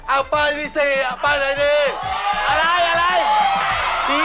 อันป้ายที่๑๔อันป้ายไหนดี